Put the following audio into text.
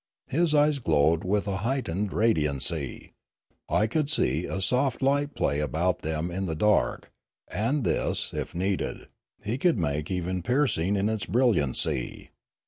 His eyes glowed with a heightened radiancy; I could see a soft light play about them in the dark, and this, if needed, he could make even piercing in its brilliancy.